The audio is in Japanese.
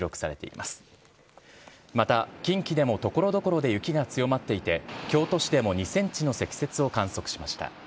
また、近畿でもところどころで雪が強まっていて、京都市でも２センチの積雪を観測しました。